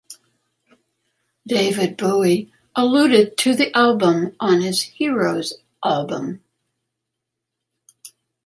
David Bowie alluded to the album on his "Heroes" album.